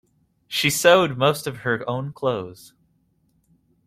She sewed most of her own clothes.